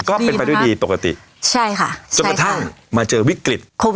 ก็เป็นไปด้วยดีปกติใช่ค่ะจนกระทั่งมาเจอวิกฤตโควิด